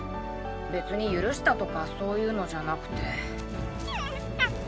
別に許したとかそーゆーのじゃなくて。